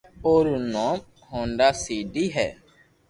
او رو نوم ھونڌا سي دي ھي